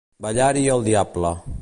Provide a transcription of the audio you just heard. Ballar-hi el diable.